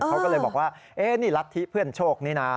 เขาก็เลยบอกว่านี่รัฐธิเพื่อนโชคนี่นะ